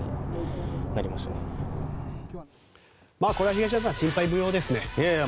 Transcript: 東山さん心配無用ですね。